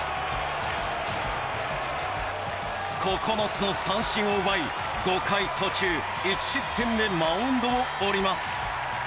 ９つの三振を奪い５回途中１失点でマウンドを降ります。